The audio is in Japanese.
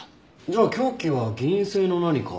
じゃあ凶器は銀製の何か？